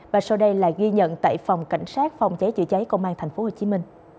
và sau đây là ghi nhận tại phòng cảnh sát phòng cháy chữa cháy công an tp hcm